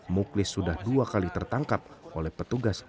muklis sudah dua kali tertangkap oleh petugas